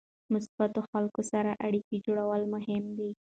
مثبتو خلکو سره اړیکه جوړول مهم دي.